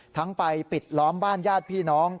ไปปิดล้อมบ้านญาติพี่น้อง